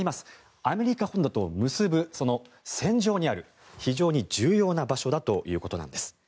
アメリカ本土とを結ぶその線上にある非常に重要な場所だということなんです。